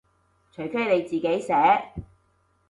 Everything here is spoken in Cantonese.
除非你自己寫